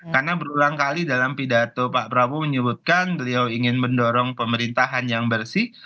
karena berulang kali dalam pidato pak prabowo menyebutkan beliau ingin mendorong pemerintahan yang bersih